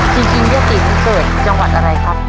จริงยักษ์ที่เกิดจังหวัดอะไรครับ